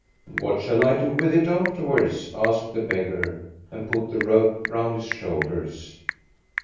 " What shall I do with it afterwards ?" asked the beggar, and put the rope round his shoulders.